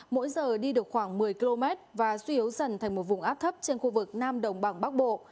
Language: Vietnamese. mỗi giờ đi được khoảng một mươi km và suy yếu dần thành một vùng áp thấp trên khu vực nam đồng bằng bắc bộ